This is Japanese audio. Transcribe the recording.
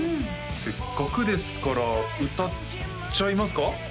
せっかくですから歌っちゃいますか？